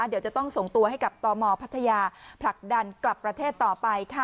เดี๋ยวจะต้องส่งตัวให้กับตมพัทยาผลักดันกลับประเทศต่อไปค่ะ